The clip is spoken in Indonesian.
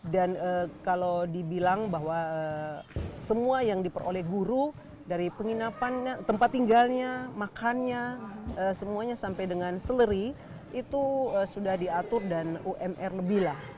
dan kalau dibilang bahwa semua yang diperoleh guru dari penginapan tempat tinggalnya makannya semuanya sampai dengan seleri itu sudah diatur dan umr lebih lah